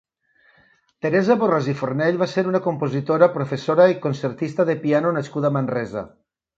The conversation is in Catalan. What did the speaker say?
Teresa Borràs i Fornell va ser una compositora, professora i concertista de piano nascuda a Manresa.